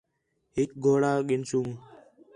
ہِک گھوڑا گِنسوں